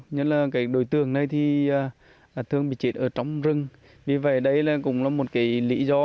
nhất là đối tượng này thường bị chết ở trong rừng vì vậy đây cũng là một lý do